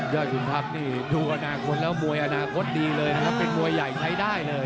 ขุนทัพนี่ดูอนาคตแล้วมวยอนาคตดีเลยนะครับเป็นมวยใหญ่ใช้ได้เลย